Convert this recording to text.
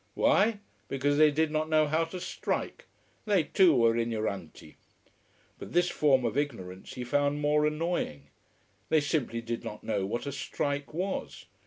Why because they did not know how to strike. They, too, were ignoranti. But this form of ignorance he found more annoying. They simply did not know what a strike was.